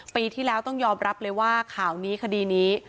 ปีที่แล้วต้องยอมรับเลยว่าข่าวนี้คดีนี้